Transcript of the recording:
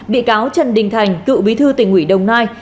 bị cáo trần đình thành cựu bí thư tỉnh ủy đồng nai